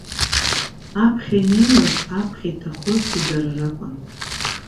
Аԥхьа инеиуаз, аԥхьа иҭахозгьы дара ракәын.